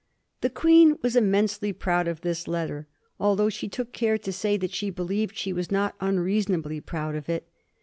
The Qaeen was immensely prood of this letter, althongh she took care to say that she believed she was not nnreason ably prond of it.